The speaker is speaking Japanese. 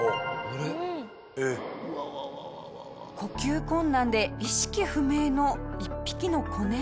下平：呼吸困難で意識不明の１匹の子猫。